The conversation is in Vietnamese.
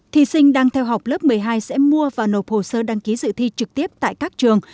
thí sinh đang theo học lớp một mươi hai sẽ mua và nộp hồ sơ đăng ký dự thi trực tiếp tại các trường